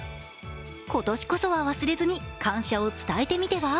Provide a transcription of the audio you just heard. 今年こそは忘れずに感謝を伝えてみては。